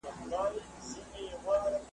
علم د دواړو جهانونو رڼا ده .